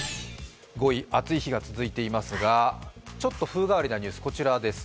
５位、暑い日が続いていますがちょっと風変わりなニュース、こちらです。